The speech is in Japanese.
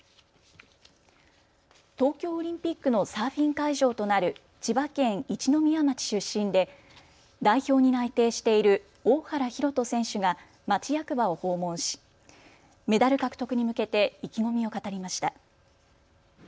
東京オリンピックのサーフィン会場となる千葉県一宮町出身で代表に内定している大原洋人選手が町役場を訪問し、メダル獲得に向けて意気込みを語りました。